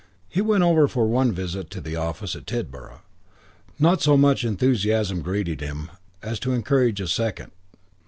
He went over for one visit to the office at Tidborough. Not so much enthusiasm greeted him as to encourage a second.